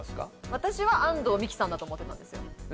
私は安藤美姫さんだと思ってたんですよ。